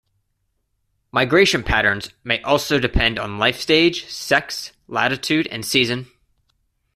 Migration patterns may also depend on life stage, sex, latitude, and season.